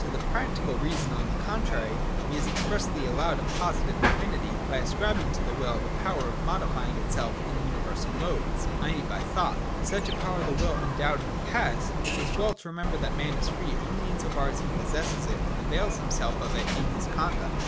To the practical reason, on the contrary, he has expressly allowed a positive infinity, by ascribing to the will the power of modifying itself in universal modes, i. e. by thought. Such a power the will undoubtedly has : and it is well to remember that man is free only in so far as he possesses it and avails himself of it in his conduct.